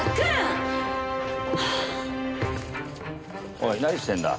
おい何してんだ？